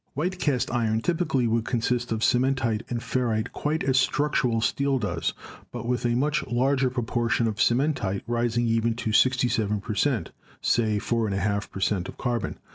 White cast iron typically would consist of cementite and ferrite quite as structural steel does, but with a much larger proportion of cementite, rising even to 67 per cent, (say 4.50 per cent, of carbon).